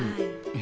え？